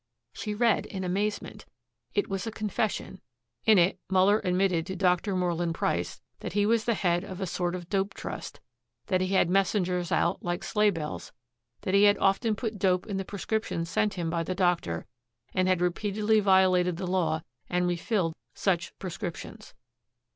She read in amazement. It was a confession. In it Muller admitted to Dr. Moreland Price that he was the head of a sort of dope trust, that he had messengers out, like Sleighbells, that he had often put dope in the prescriptions sent him by the doctor, and had repeatedly violated the law and refilled such prescriptions.